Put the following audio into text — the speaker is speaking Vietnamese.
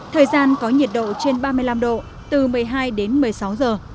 thời gian có nhiệt độ trên ba mươi năm độ từ một mươi hai đến một mươi sáu giờ